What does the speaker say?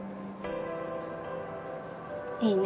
いいね。